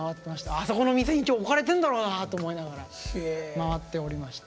あそこの店に今日置かれてるんだろうなと思いながら回っておりました。